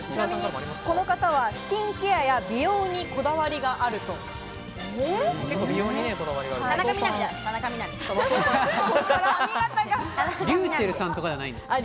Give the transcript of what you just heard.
この方はスキンケアや美容にこだわりがあるということです。